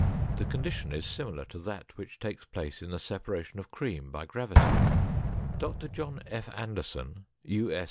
The condition is similar to that which takes place in the separation of cream by gravity. Dr. John F. Anderson, U. S.